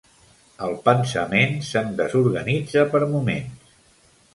El pensament se'm desorganitza per moments.